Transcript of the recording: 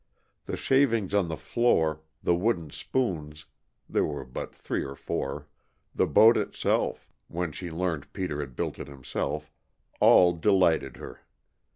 The shavings on the floor, the wooden spoons (there were but three or four), the boat itself when she learned Peter had built it himself all delighted her.